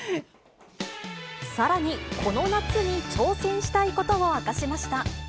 さらに、この夏に挑戦したいことを明かしました。